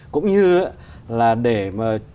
cũng như là để mà